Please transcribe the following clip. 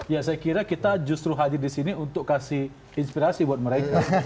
ya saya kira kita justru hadir di sini untuk kasih inspirasi buat mereka